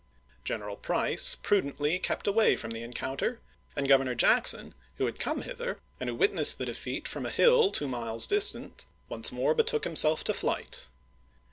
General Price prudently kept away from the encounter; and Governor Jackson, who had come hither, and who witnessed the defeat from a hill two miles distant, once more betook himself to flight.